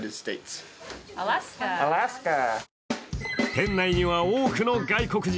店内には、多くの外国人。